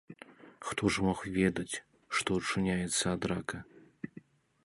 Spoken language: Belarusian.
Хто ж мог ведаць, што ачуняеце ад рака.